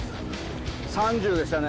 ３０でしたね